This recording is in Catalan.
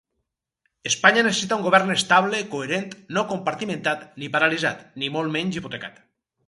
Espanya necessita un govern estable, coherent, no compartimentat ni paralitzat, ni molt menys hipotecat.